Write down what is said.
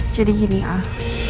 jadi gini al